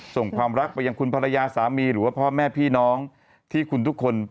ความรักไปยังคุณภรรยาสามีหรือว่าพ่อแม่พี่น้องที่คุณทุกคน